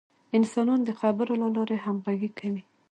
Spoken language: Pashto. انسانان د خبرو له لارې همغږي کېږي.